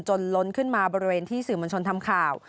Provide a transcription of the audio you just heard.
ล้นขึ้นมาบริเวณที่สื่อมวลชนทำข่าว